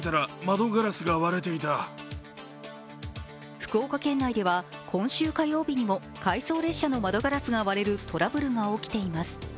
福岡県内では今週火曜日にも回送列車の窓ガラスが割れるトラブルが起きています。